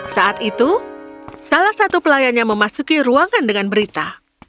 saat itu salah satu pelayannya memasuki ruangan dengan berita